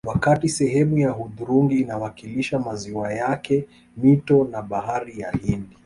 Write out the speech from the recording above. Wakati sehemu ya hudhurungi inawakilisha maziwa yake mito na Bahari ya Hindi